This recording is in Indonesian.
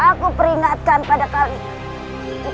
aku peringatkan pada kalian